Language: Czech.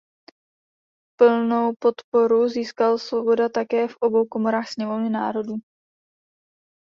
Plnou podporu získal Svoboda také v obou komorách Sněmovny národů.